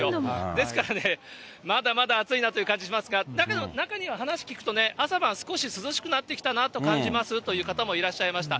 ですからね、まだまだ暑いなという感じしますが、だけど、中には話聞くとね、朝晩少し涼しくなってきたなと感じますという方もいらっしゃいました。